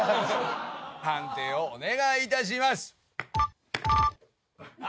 判定をお願いいたします。